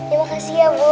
ya makasih ya bu